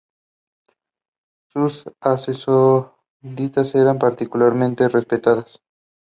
He tells Munira not to tell anyone about their murder.